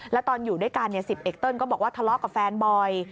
แล้วตอนอยู่ด้วยกัน๑๐เอกเติ้ลก็บอกว่าทะเลาะกับแฟนบ่อย